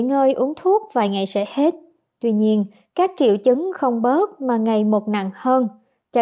ngơi uống thuốc vài ngày sẽ hết tuy nhiên các triệu chứng không bớt mà ngày một nặng hơn cho